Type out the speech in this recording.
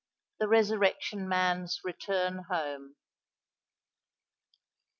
THE RESURRECTION MAN'S RETURN HOME.